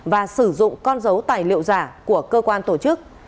và sử dụng con dấu tài liệu giả của cơ quan tổ chức